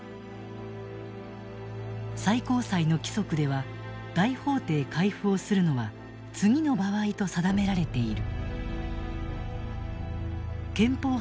最高裁の規則では大法廷回付をするのは次の場合と定められている。